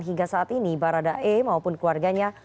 hingga saat ini barada e maupun keluarganya